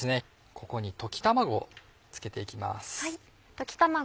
ここに溶き卵を付けて行きます。